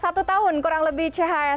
satu tahun kurang lebih chse ini berjalan